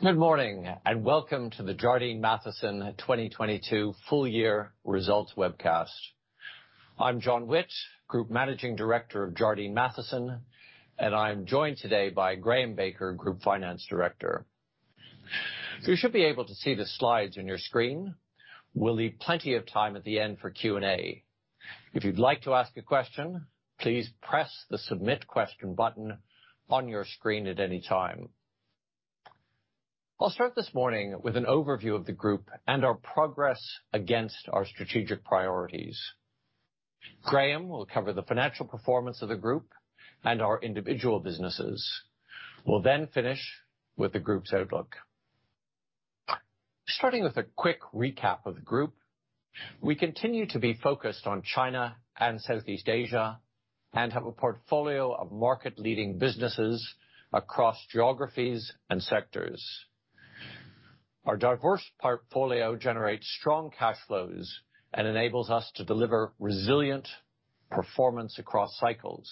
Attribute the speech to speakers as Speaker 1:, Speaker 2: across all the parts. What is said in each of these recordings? Speaker 1: Good morning, welcome to the Jardine Matheson 2022 full year results webcast. I'm John Witt, Group Managing Director of Jardine Matheson, and I am joined today by Graham Baker, Group Finance Director. You should be able to see the slides on your screen. We'll leave plenty of time at the end for Q&A. If you'd like to ask a question, please press the Submit Question button on your screen at any time. I'll start this morning with an overview of the group and our progress against our strategic priorities. Graham will cover the financial performance of the group and our individual businesses. We'll finish with the group's outlook. Starting with a quick recap of the group, we continue to be focused on China and Southeast Asia, and have a portfolio of market-leading businesses across geographies and sectors. Our diverse portfolio generates strong cash flows and enables us to deliver resilient performance across cycles.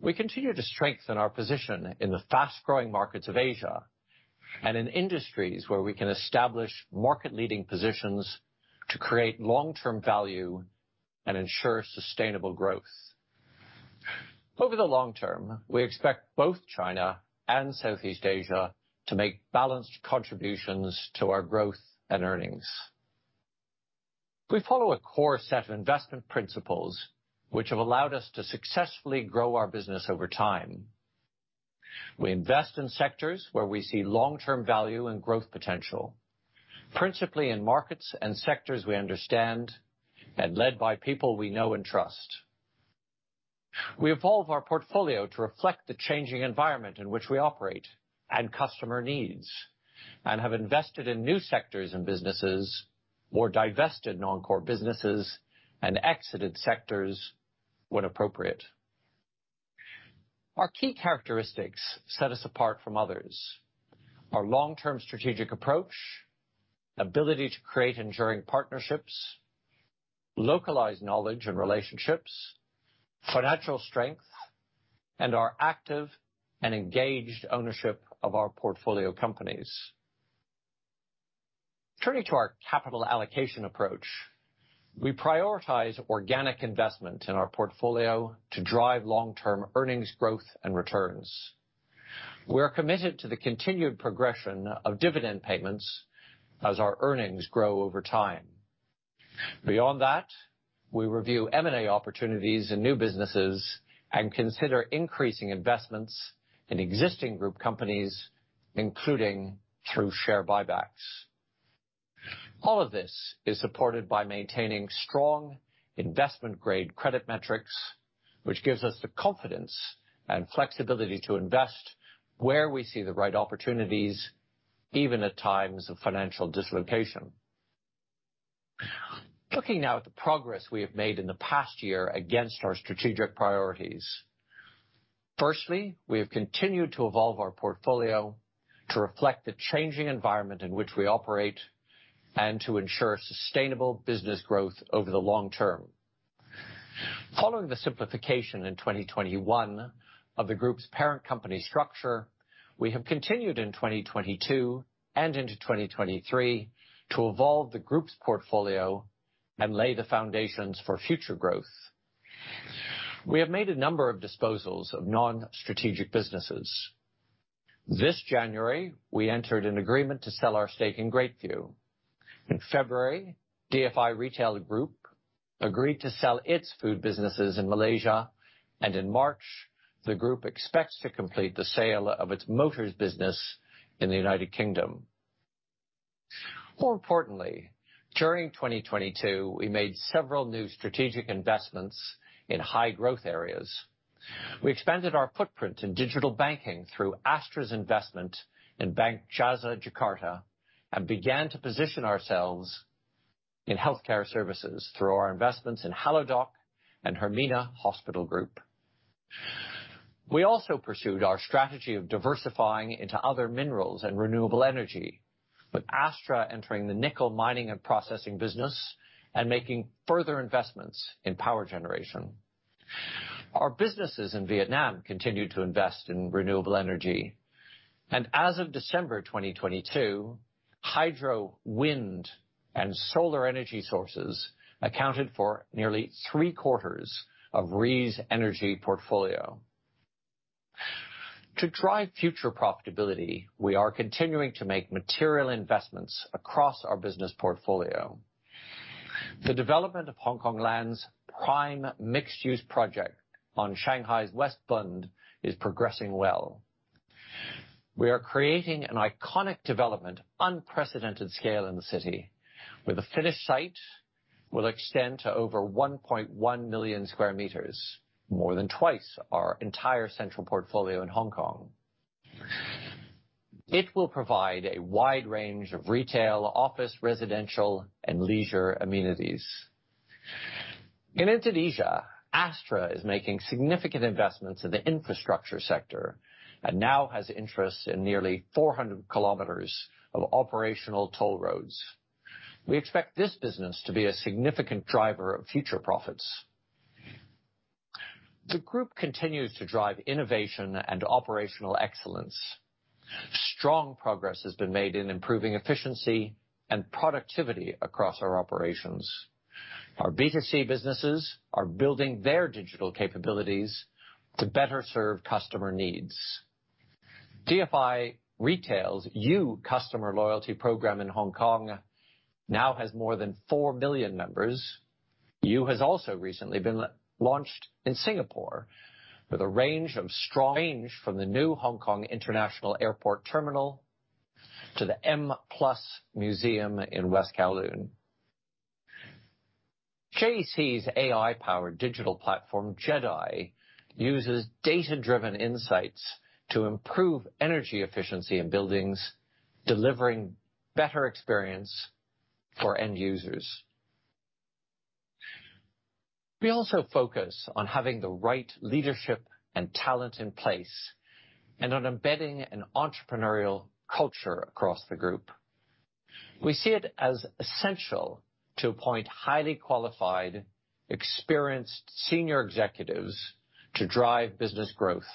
Speaker 1: We continue to strengthen our position in the fast-growing markets of Asia and in industries where we can establish market-leading positions to create long-term value and ensure sustainable growth. Over the long term, we expect both China and Southeast Asia to make balanced contributions to our growth and earnings. We follow a core set of investment principles, which have allowed us to successfully grow our business over time. We invest in sectors where we see long-term value and growth potential, principally in markets and sectors we understand and led by people we know and trust. We evolve our portfolio to reflect the changing environment in which we operate and customer needs and have invested in new sectors and businesses or divested non-core businesses and exited sectors when appropriate. Our key characteristics set us apart from others. Our long-term strategic approach, ability to create enduring partnerships, localized knowledge and relationships, financial strength, and our active and engaged ownership of our portfolio companies. Turning to our capital allocation approach, we prioritize organic investment in our portfolio to drive long-term earnings growth and returns. We are committed to the continued progression of dividend payments as our earnings grow over time. Beyond that, we review M&A opportunities in new businesses and consider increasing investments in existing group companies, including through share buybacks. All of this is supported by maintaining strong investment-grade credit metrics, which gives us the confidence and flexibility to invest where we see the right opportunities, even at times of financial dislocation. Looking now at the progress we have made in the past year against our strategic priorities. Firstly, we have continued to evolve our portfolio to reflect the changing environment in which we operate and to ensure sustainable business growth over the long term. Following the simplification in 2021 of the group's parent company structure, we have continued in 2022 and into 2023 to evolve the group's portfolio and lay the foundations for future growth. We have made a number of disposals of non-strategic businesses. This January, we entered an agreement to sell our stake in Greatview. In February, DFI Retail Group agreed to sell its food businesses in Malaysia. In March, the group expects to complete the sale of its motors business in the United Kingdom. More importantly, during 2022, we made several new strategic investments in high-growth areas. We expanded our footprint in digital banking through Astra's investment in Bank Jasa Jakarta, began to position ourselves in healthcare services through our investments in Halodoc and Hermina Hospital Group. We also pursued our strategy of diversifying into other minerals and renewable energy, with Astra entering the nickel mining and processing business and making further investments in power generation. Our businesses in Vietnam continued to invest in renewable energy. As of December 2022, hydro, wind, and solar energy sources accounted for nearly three-quarters of REE's energy portfolio. To drive future profitability, we are continuing to make material investments across our business portfolio. The development of Hongkong Land's prime mixed-use project on Shanghai's West Bund is progressing well. We are creating an iconic development, unprecedented scale in the city, where the finished site will extend to over 1.1 million square meters, more than twice our entire central portfolio in Hong Kong. It will provide a wide range of retail, office, residential, and leisure amenities. In Indonesia, Astra is making significant investments in the infrastructure sector and now has interest in nearly 400 kilometers of operational toll roads. We expect this business to be a significant driver of future profits. The group continues to drive innovation and operational excellence. Strong progress has been made in improving efficiency and productivity across our operations. Our B2C businesses are building their digital capabilities to better serve customer needs. DFI Retail's yuu customer loyalty program in Hong Kong now has more than 4 million members. You has also recently been launched in Singapore with a range from the new Hong Kong International Airport Terminal to the M+ Museum in West Kowloon. JEC's AI-powered digital platform, JEDI, uses data-driven insights to improve energy efficiency in buildings, delivering better experience for end users. We also focus on having the right leadership and talent in place, on embedding an entrepreneurial culture across the group. We see it as essential to appoint highly qualified, experienced senior executives to drive business growth.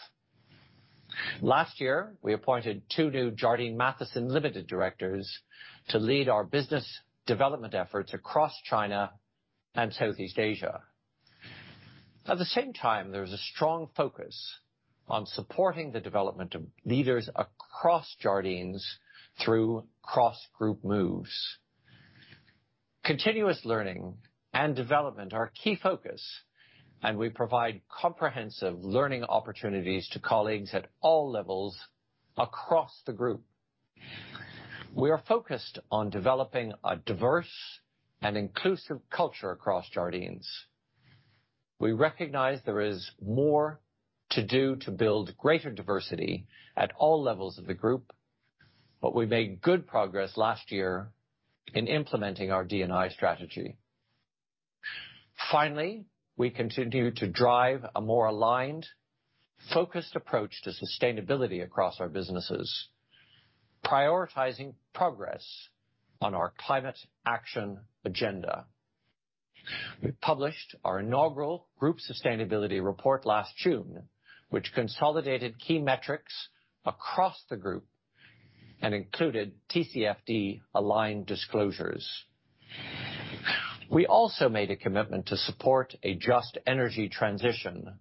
Speaker 1: Last year, we appointed two new Jardine Matheson Limited directors to lead our business development efforts across China and Southeast Asia. At the same time, there's a strong focus on supporting the development of leaders across Jardines through cross-group moves. Continuous learning and development are a key focus, we provide comprehensive learning opportunities to colleagues at all levels across the group. We are focused on developing a diverse and inclusive culture across Jardines. We recognize there is more to do to build greater diversity at all levels of the group, but we made good progress last year in implementing our D&I strategy. Finally, we continue to drive a more aligned, focused approach to sustainability across our businesses, prioritizing progress on our climate action agenda. We published our inaugural group sustainability report last June, which consolidated key metrics across the group and included TCFD-aligned disclosures. We also made a commitment to support a just energy transition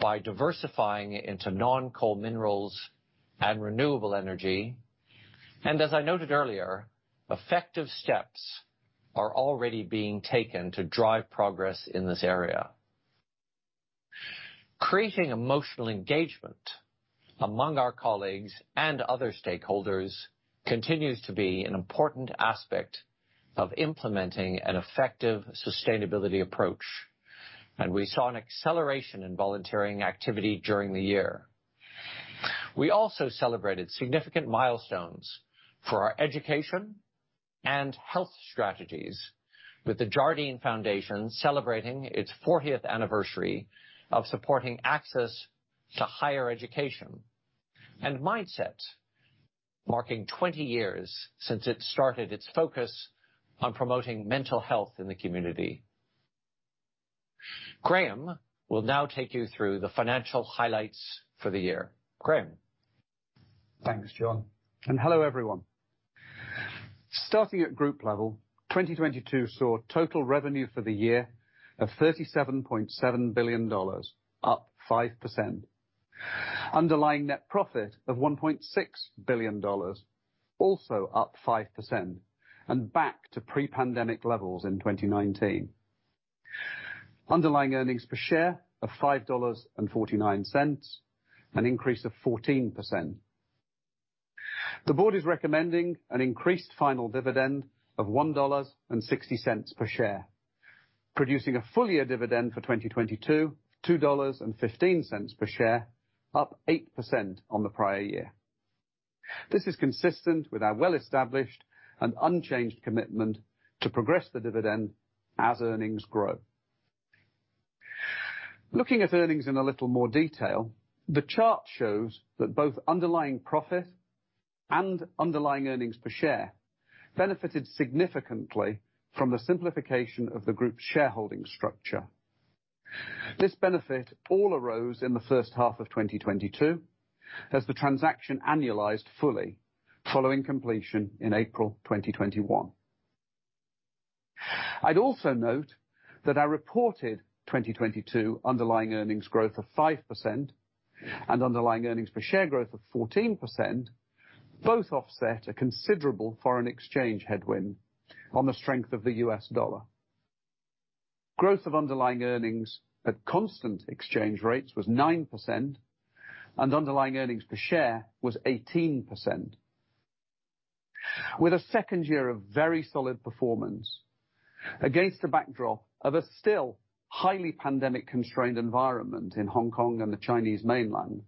Speaker 1: by diversifying into non-coal minerals and renewable energy. As I noted earlier, effective steps are already being taken to drive progress in this area. Creating emotional engagement among our colleagues and other stakeholders continues to be an important aspect of implementing an effective sustainability approach. We saw an acceleration in volunteering activity during the year. We also celebrated significant milestones for our education and health strategies with the Jardine Foundation celebrating its 40th anniversary of supporting access to higher education, and MINDSET marking 20 years since it started its focus on promoting mental health in the community. Graham will now take you through the financial highlights for the year. Graham?
Speaker 2: Thanks, John. Hello, everyone. Starting at group level, 2022 saw total revenue for the year of $37.7 billion, up 5%. Underlying net profit of $1.6 billion, also up 5%, and back to pre-pandemic levels in 2019. Underlying earnings per share of $5.49, an increase of 14%. The board is recommending an increased final dividend of $1.60 per share, producing a full year dividend for 2022, $2.15 per share, up 8% on the prior year. This is consistent with our well-established and unchanged commitment to progress the dividend as earnings grow. Looking at earnings in a little more detail, the chart shows that both underlying profit and underlying earnings per share benefited significantly from the simplification of the group's shareholding structure. This benefit all arose in the H1 of 2022 as the transaction annualized fully following completion in April 2021. I'd also note that our reported 2022 underlying earnings growth of 5% and underlying earnings per share growth of 14% both offset a considerable foreign exchange headwind on the strength of the U.S. dollar. Growth of underlying earnings at constant exchange rates was 9%, and underlying earnings per share was 18%. With a second year of very solid performance against the backdrop of a still highly pandemic-constrained environment in Hong Kong and the Chinese mainland,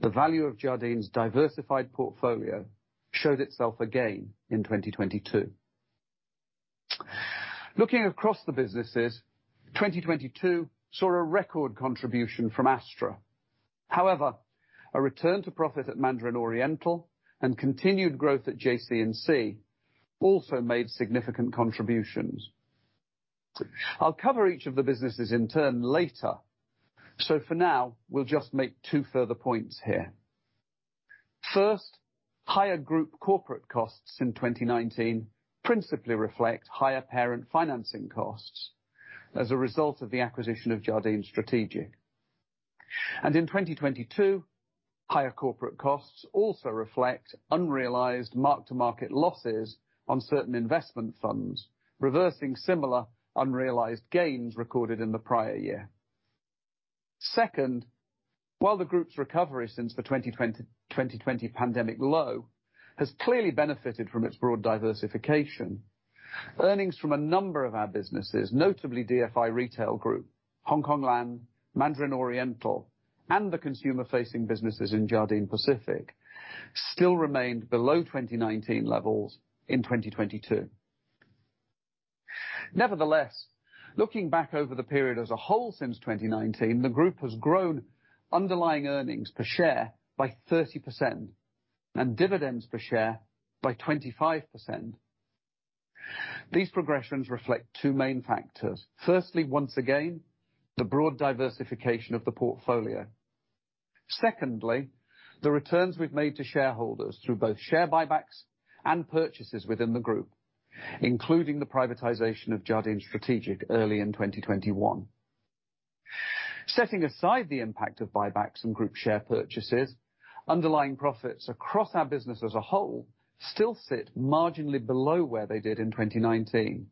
Speaker 2: the value of Jardines' diversified portfolio showed itself again in 2022. Looking across the businesses, 2022 saw a record contribution from Astra. However, a return to profit at Mandarin Oriental and continued growth at JC&C also made significant contributions. I'll cover each of the businesses in turn later. For now, we'll just make two further points here. First, higher group corporate costs in 2019 principally reflect higher parent financing costs as a result of the acquisition of Jardine Strategic. In 2022, higher corporate costs also reflect unrealized mark-to-market losses on certain investment funds, reversing similar unrealized gains recorded in the prior year. Second, while the group's recovery since the 2020 pandemic low has clearly benefited from its broad diversification, earnings from a number of our businesses, notably DFI Retail Group, Hongkong Land, Mandarin Oriental, and the consumer-facing businesses in Jardine Pacific, still remained below 2019 levels in 2022. Nevertheless, looking back over the period as a whole since 2019, the group has grown underlying earnings per share by 30% and dividends per share by 25%. These progressions reflect two main factors. Firstly, once again, the broad diversification of the portfolio. Secondly, the returns we've made to shareholders through both share buybacks and purchases within the group, including the privatization of Jardine Strategic early in 2021. Setting aside the impact of buybacks and group share purchases, underlying profits across our business as a whole still sit marginally below where they did in 2019.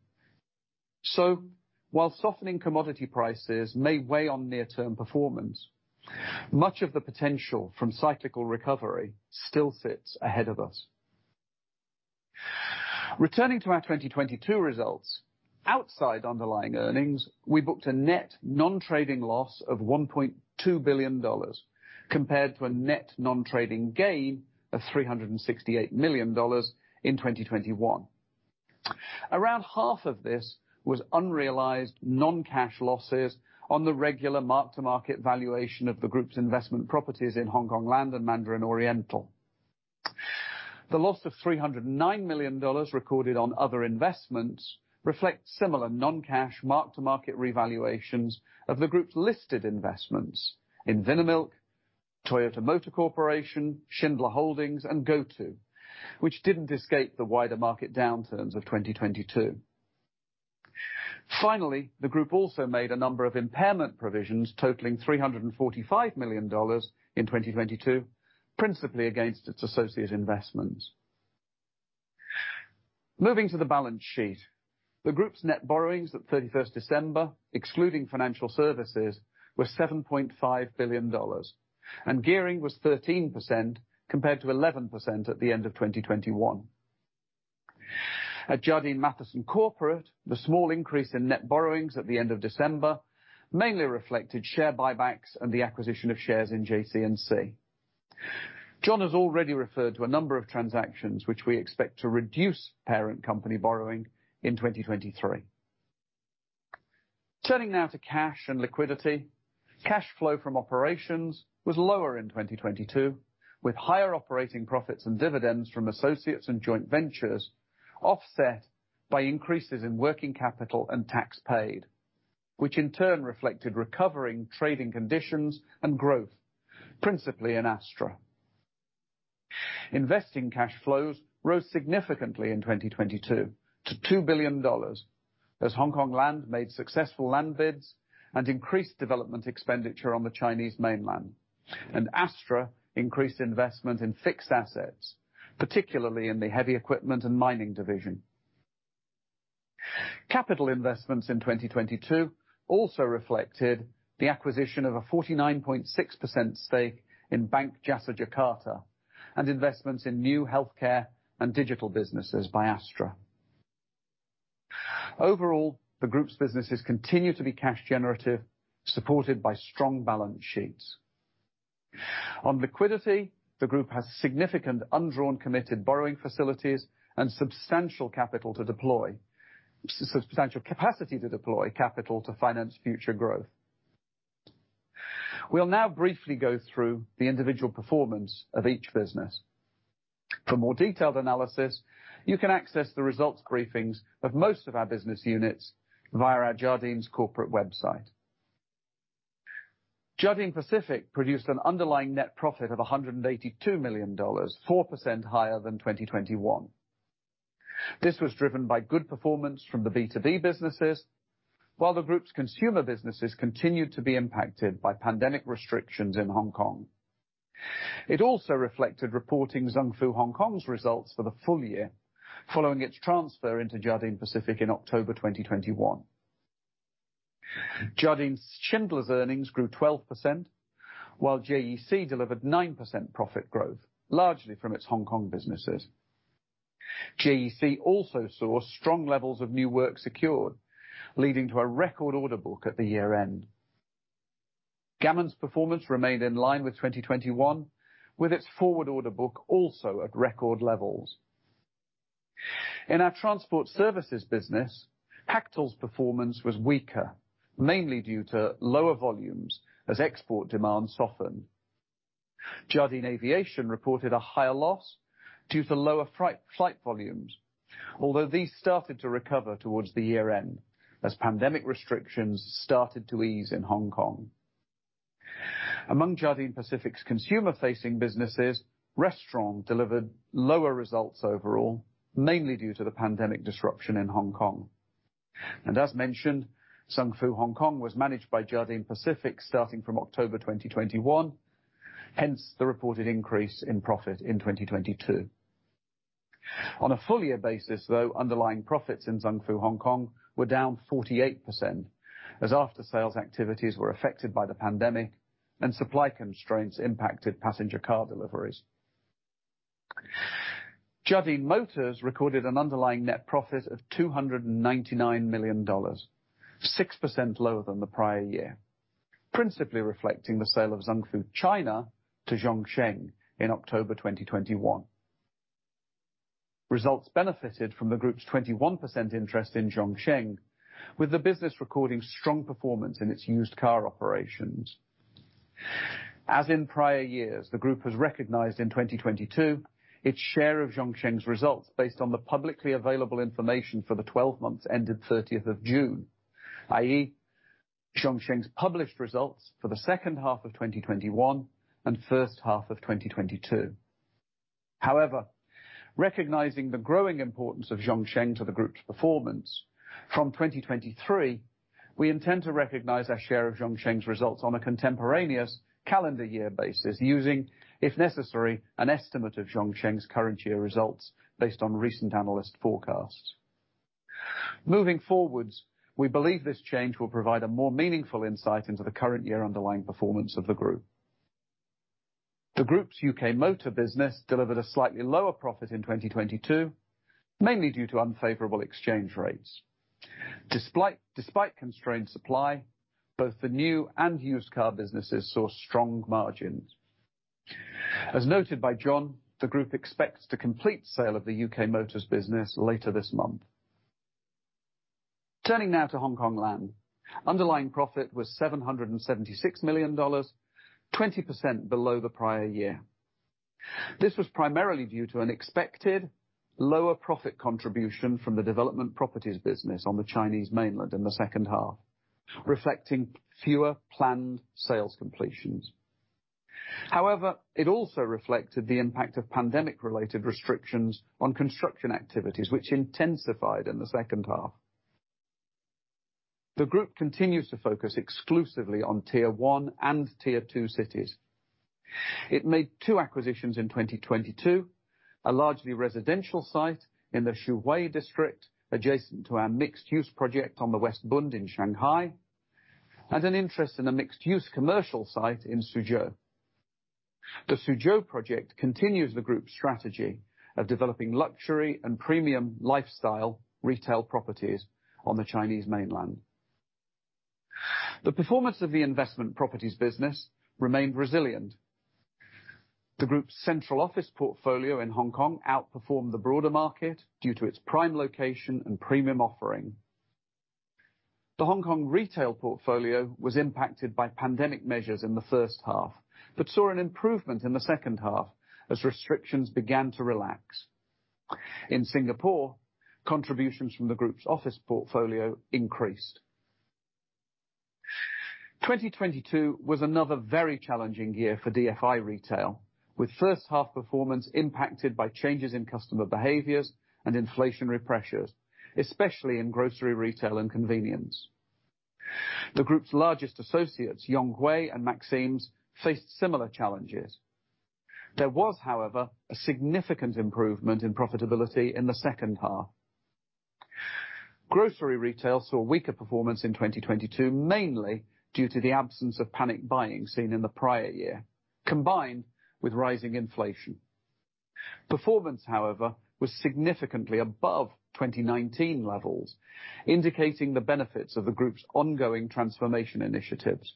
Speaker 2: While softening commodity prices may weigh on near-term performance, much of the potential from cyclical recovery still sits ahead of us. Returning to our 2022 results, outside underlying earnings, we booked a net non-trading loss of $1.2 billion compared to a net non-trading gain of $368 million in 2021. Around half of this was unrealized non-cash losses on the regular mark-to-market valuation of the group's investment properties in Hongkong Land and Mandarin Oriental. The loss of $309 million recorded on other investments reflects similar non-cash mark-to-market revaluations of the group's listed investments in Vinamilk, Toyota Motor Corporation, Schindler Holdings, and GoTo, which didn't escape the wider market downturns of 2022. The group also made a number of impairment provisions totaling $345 million in 2022, principally against its associate investments. Moving to the balance sheet. The group's net borrowings at 31st December, excluding financial services, were $7.5 billion, and gearing was 13% compared to 11% at the end of 2021. At Jardine Matheson Corporate, the small increase in net borrowings at the end of December mainly reflected share buybacks and the acquisition of shares in JC&C. John has already referred to a number of transactions which we expect to reduce parent company borrowing in 2023. Turning now to cash and liquidity. Cash flow from operations was lower in 2022, with higher operating profits and dividends from associates and joint ventures offset by increases in working capital and tax paid, which in turn reflected recovering trading conditions and growth, principally in Astra. Investing cash flows rose significantly in 2022 to $2 billion as Hongkong Land made successful land bids and increased development expenditure on the Chinese mainland, and Astra increased investment in fixed assets, particularly in the heavy equipment and mining division. Capital investments in 2022 also reflected the acquisition of a 49.6% stake in Bank Jasa Jakarta and investments in new healthcare and digital businesses by Astra. Overall, the group's businesses continue to be cash generative, supported by strong balance sheets. On liquidity, the group has significant undrawn committed borrowing facilities and substantial capacity to deploy capital to finance future growth. We'll now briefly go through the individual performance of each business. For more detailed analysis, you can access the results briefings of most of our business units via our Jardine's corporate website. Jardine Pacific produced an underlying net profit of $182 million, 4% higher than 2021. This was driven by good performance from the B2B businesses, while the group's consumer businesses continued to be impacted by pandemic restrictions in Hong Kong. It also reflected reporting Zung Fu Hong Kong's results for the full year following its transfer into Jardine Pacific in October 2021. Jardine Schindler's earnings grew 12%, while JEC delivered 9% profit growth, largely from its Hong Kong businesses. JEC also saw strong levels of new work secured, leading to a record order book at the year-end. Gammon's performance remained in line with 2021, with its forward order book also at record levels. In our transport services business, Hactl's performance was weaker, mainly due to lower volumes as export demand softened. Jardine Aviation reported a higher loss due to lower flight volumes. Although these started to recover towards the year end as pandemic restrictions started to ease in Hong Kong. Among Jardine Pacific's consumer-facing businesses, Restaurant delivered lower results overall, mainly due to the pandemic disruption in Hong Kong. As mentioned, Zung Fu Hong Kong was managed by Jardine Pacific starting from October 2021, hence the reported increase in profit in 2022. On a full year basis, though, underlying profits in Zung Fu Hong Kong were down 48% as after-sales activities were affected by the pandemic and supply constraints impacted passenger car deliveries. Jardine Motors recorded an underlying net profit of $299 million, 6% lower than the prior year, principally reflecting the sale of Zung Fu China to Zhongsheng in October 2021. Results benefited from the group's 21% interest in Zhongsheng, with the business recording strong performance in its used car operations. As in prior years, the group has recognized in 2022 its share of Zhongsheng's results based on the publicly available information for the 12 months ended 30th of June, i.e., Zhongsheng's published results for the H2 of 2021 and H1 of 2022. Recognizing the growing importance of Zhongsheng to the group's performance, from 2023, we intend to recognize our share of Zhongsheng's results on a contemporaneous calendar year basis using, if necessary, an estimate of Zhongsheng's current year results based on recent analyst forecasts. Moving forwards, we believe this change will provide a more meaningful insight into the current year underlying performance of the group. The group's UK Motor business delivered a slightly lower profit in 2022, mainly due to unfavorable exchange rates. Despite constrained supply, both the new and used car businesses saw strong margins. As noted by John, the group expects to complete sale of the UK Motors business later this month. Turning now to Hongkong Land. Underlying profit was $776 million, 20% below the prior year. This was primarily due to an expected lower profit contribution from the development properties business on the Chinese Mainland in the H2, reflecting fewer planned sales completions. However, it also reflected the impact of pandemic-related restrictions on construction activities, which intensified in the H2. The group continues to focus exclusively on tier I and tier II cities. It made two acquisitions in 2022, a largely residential site in the Xuhui District adjacent to our mixed-use project on the West Bund in Shanghai, and an interest in a mixed-use commercial site in Suzhou. The Suzhou project continues the group's strategy of developing luxury and premium lifestyle retail properties on the Chinese Mainland. The performance of the investment properties business remained resilient. The group's central office portfolio in Hong Kong outperformed the broader market due to its prime location and premium offering. The Hong Kong retail portfolio was impacted by pandemic measures in the first half, but saw an improvement in the H2 as restrictions began to relax. In Singapore, contributions from the group's office portfolio increased. 2022 was another very challenging year for DFI Retail, with first half performance impacted by changes in customer behaviors and inflationary pressures, especially in grocery retail and convenience. The group's largest associates, Yonghui and Maxim's, faced similar challenges. There was, however, a significant improvement in profitability in the H2. Grocery retail saw weaker performance in 2022, mainly due to the absence of panic buying seen in the prior year, combined with rising inflation. Performance, however, was significantly above 2019 levels, indicating the benefits of the group's ongoing transformation initiatives.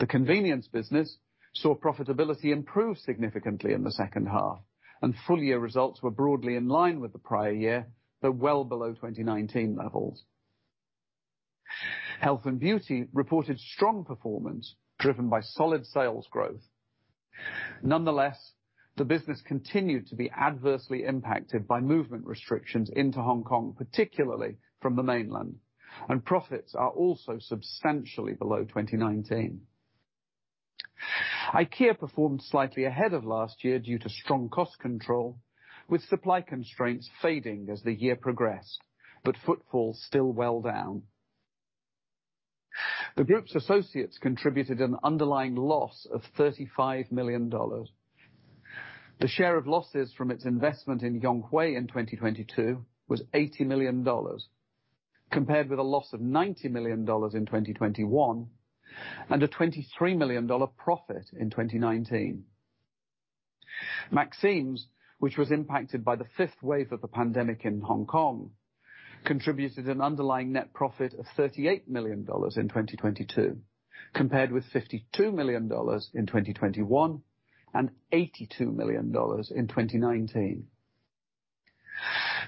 Speaker 2: The convenience business saw profitability improve significantly in the H2, and full year results were broadly in line with the prior year, but well below 2019 levels. Health and beauty reported strong performance driven by solid sales growth. Nonetheless, the business continued to be adversely impacted by movement restrictions into Hong Kong, particularly from the mainland, and profits are also substantially below 2019. IKEA performed slightly ahead of last year due to strong cost control, with supply constraints fading as the year progressed, but footfall still well down. The group's associates contributed an underlying loss of $35 million. The share of losses from its investment in Yonghui in 2022 was $80 million, compared with a loss of $90 million in 2021 and a $23 million profit in 2019. Maxims, which was impacted by the fifth wave of the pandemic in Hong Kong, contributed an underlying net profit of $38 million in 2022, compared with $52 million in 2021, and $82 million in 2019.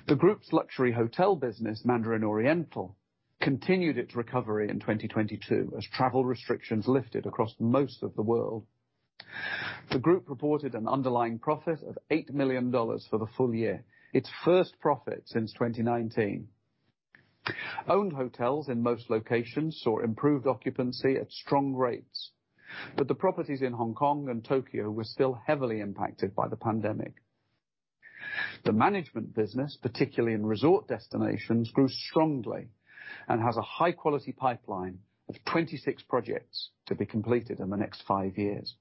Speaker 2: The group's luxury hotel business, Mandarin Oriental, continued its recovery in 2022 as travel restrictions lifted across most of the world. The group reported an underlying profit of $8 million for the full year, its first profit since 2019. Owned hotels in most locations saw improved occupancy at strong rates, but the properties in Hong Kong and Tokyo were still heavily impacted by the pandemic. The management business, particularly in resort destinations, grew strongly and has a high quality pipeline of 26 projects to be completed in the next five years.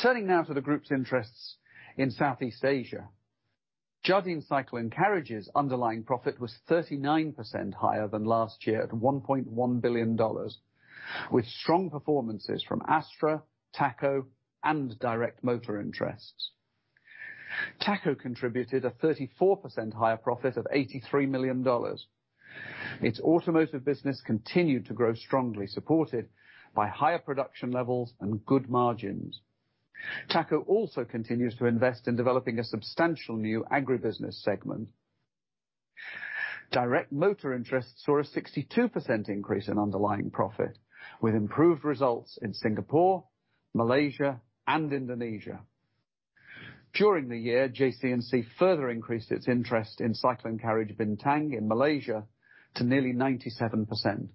Speaker 2: Turning now to the group's interests in Southeast Asia. Jardine Cycle & Carriage's underlying profit was 39% higher than last year at $1.1 billion with strong performances from Astra, THACO, and Direct Motor interests. THACO contributed a 34% higher profit of $83 million. Its automotive business continued to grow strongly, supported by higher production levels and good margins. THACO also continues to invest in developing a substantial new agribusiness segment. Direct Motor interests saw a 62% increase in underlying profit, with improved results in Singapore, Malaysia, and Indonesia. During the year, JC&C further increased its interest in Cycle & Carriage Bintang in Malaysia to nearly 97%.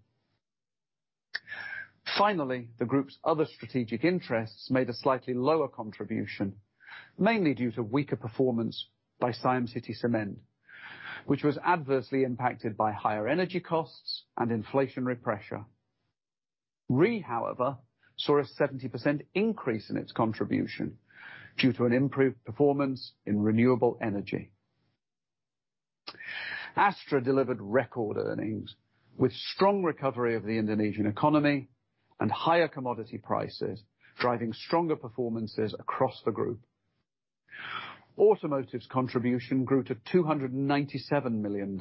Speaker 2: The group's other strategic interests made a slightly lower contribution, mainly due to weaker performance by Siam City Cement, which was adversely impacted by higher energy costs and inflationary pressure. REE, however, saw a 70% increase in its contribution due to an improved performance in renewable energy. Astra delivered record earnings with strong recovery of the Indonesian economy and higher commodity prices, driving stronger performances across the group. Automotive's contribution grew to $297 million,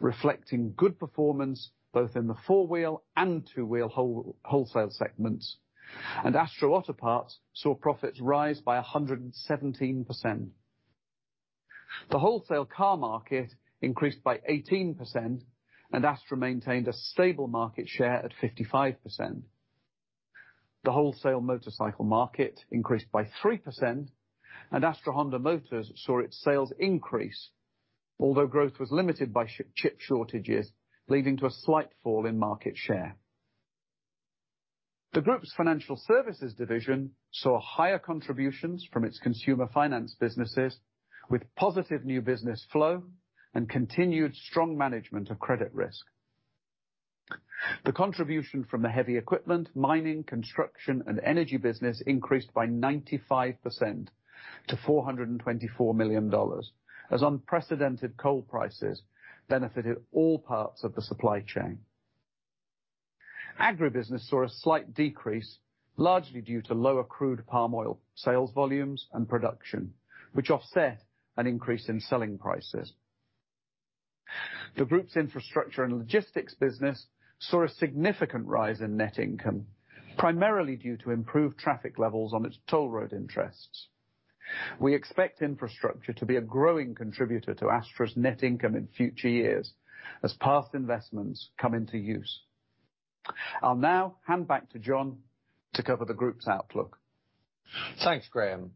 Speaker 2: reflecting good performance both in the four-wheel and two-wheel wholesale segments, and Astra Otoparts saw profits rise by 117%. The wholesale car market increased by 18%, Astra maintained a stable market share at 55%. The wholesale motorcycle market increased by 3%, Astra Honda Motor saw its sales increase, although growth was limited by chip shortages, leading to a slight fall in market share. The group's financial services division saw higher contributions from its consumer finance businesses with positive new business flow and continued strong management of credit risk. The contribution from the heavy equipment, mining, construction, and energy business increased by 95% to $424 million as unprecedented coal prices benefited all parts of the supply chain. Agribusiness saw a slight decrease, largely due to lower crude palm oil sales volumes and production, which offset an increase in selling prices. The group's infrastructure and logistics business saw a significant rise in net income, primarily due to improved traffic levels on its toll road interests. We expect infrastructure to be a growing contributor to Astra's net income in future years as past investments come into use. I'll now hand back to John to cover the group's outlook.
Speaker 1: Thanks, Graham.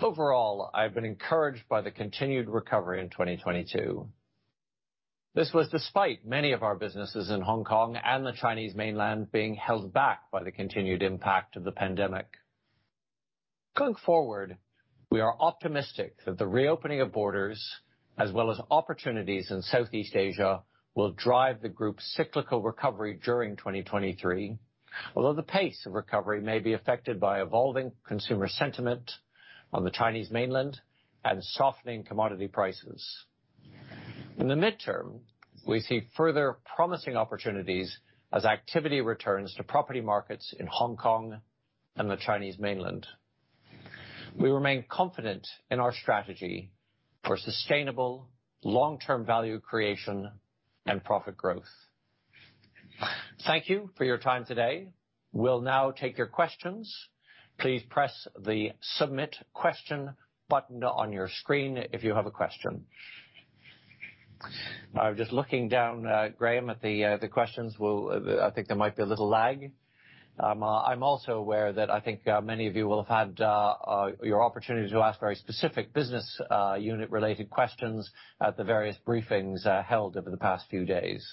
Speaker 1: Overall, I've been encouraged by the continued recovery in 2022. This was despite many of our businesses in Hong Kong and the Chinese mainland being held back by the continued impact of the pandemic. Going forward, we are optimistic that the reopening of borders as well as opportunities in Southeast Asia will drive the group's cyclical recovery during 2023. The pace of recovery may be affected by evolving consumer sentiment on the Chinese mainland and softening commodity prices. In the midterm, we see further promising opportunities as activity returns to property markets in Hong Kong and the Chinese mainland. We remain confident in our strategy for sustainable long-term value creation and profit growth. Thank you for your time today. We'll now take your questions. Please press the Submit Question button on your screen if you have a question. I'm just looking down, Graham, at the questions. I think there might be a little lag. I'm also aware that I think many of you will have had your opportunity to ask very specific business unit related questions at the various briefings held over the past few days.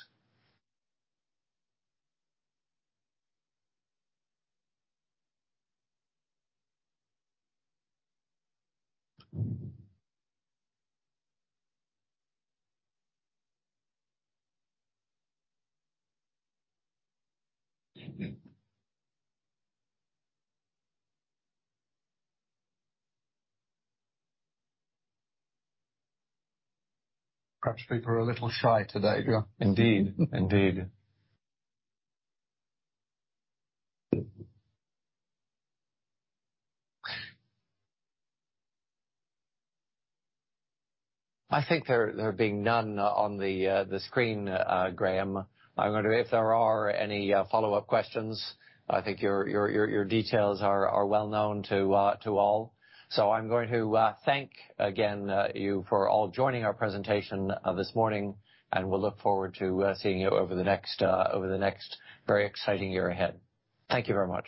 Speaker 2: Perhaps people are a little shy today, John.
Speaker 1: Indeed. I think there are being none on the screen, Graham. I wonder if there are any follow-up questions, I think your details are well known to all. I'm going to thank again you for all joining our presentation this morning, and we'll look forward to seeing you over the next very exciting year ahead. Thank you very much.